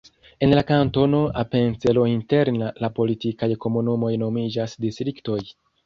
En Kantono Apencelo Interna la politikaj komunumoj nomiĝas distriktoj.